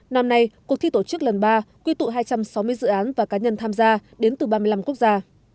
năm nay cuộc thi tổ chức lần ba quy tụ hai trăm sáu mươi dự án và cá nhân tham gia đến từ ba mươi năm quốc gia